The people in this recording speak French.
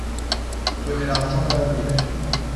Prenez l’argent là où il est